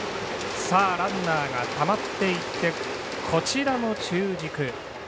ランナーがたまっていってこちらも中軸。